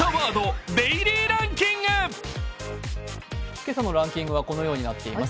今朝のランキングはこのようになっています。